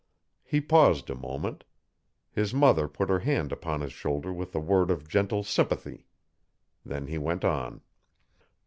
He paused a moment. His mother put her hand upon his shoulder with a word of gentle sympathy. Then he went on.